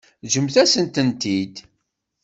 Ǧǧemt-asent-ten-id.